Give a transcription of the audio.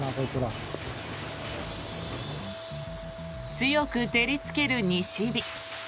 強く照りつける西日。